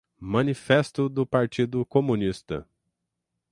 Manifesto do Partido Comunista